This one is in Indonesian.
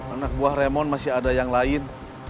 anak buah ramon masih ada yang lain